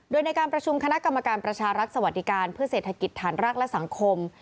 โดยในการประชุมคณะกรรมการประชารัฐสวัสดิการเพื่อเศรษฐกิจฐานรากและสังคม